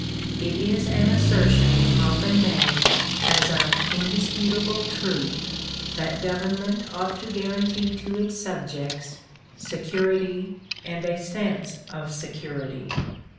It is an assertion often made, as of indisputable truth, that government ought to guarantee to its subjects " security and a sense of security."